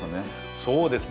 そうですね